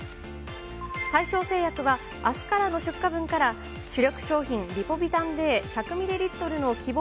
大正製薬は、あすからの出荷分から、主力商品、リポビタンＤ１００ミリリットルの希望